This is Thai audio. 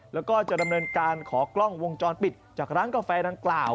แล้วก็จะดำเนินการขอกล้องวงจรปิดจากร้านกาแฟดังกล่าว